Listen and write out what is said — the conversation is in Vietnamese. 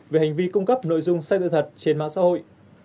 về hành vi cung cấp nội dung sai sự thật trên mạng xã hội